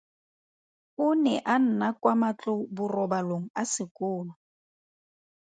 O ne a nna kwa matloborobalong a sekolo.